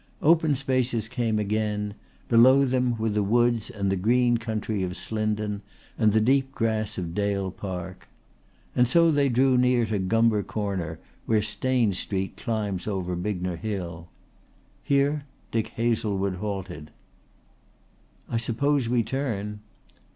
Open spaces came again; below them were the woods and the green country of Slindon and the deep grass of Dale Park. And so they drew near to Gumber Corner where Stane Street climbs over Bignor Hill. Here Dick Hazlewood halted. "I suppose we turn."